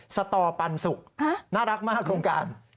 สตอปันสุกน่ารักมากโครงการ